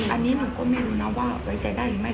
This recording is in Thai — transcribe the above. อันนี้หนูก็ไม่รู้นะว่าไว้ใจได้หรือไม่